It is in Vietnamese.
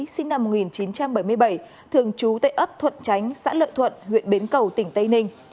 sinh năm một nghìn chín trăm bảy mươi bảy thường trú tại ấp thuận tránh xã lợi thuận huyện bến cầu tỉnh tây ninh